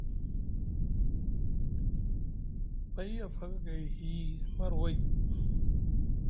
Pay a faka gay hii marway.